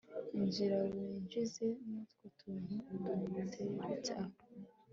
injira winjize nutwo tuntu duteretse aho